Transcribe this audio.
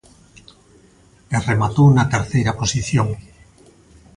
E rematou na terceira posición.